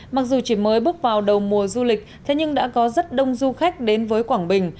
mặc dù chỉ mới bước vào đầu mùa du lịch thế nhưng đã có rất đông du khách đến với quảng bình